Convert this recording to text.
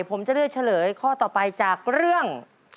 ผมจะเลือกเฉลยข้อต่อไปจากเรื่อง